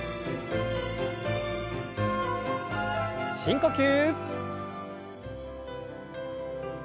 深呼吸。